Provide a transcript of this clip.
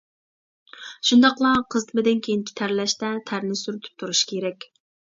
شۇنداقلا قىزىتمىدىن كېيىنكى تەرلەشتە تەرنى سۈرتۈپ تۇرۇش كېرەك.